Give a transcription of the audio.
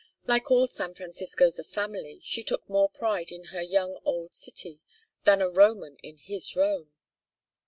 Like all San Franciscans of family, she took more pride in her young old city than a Roman in his Rome.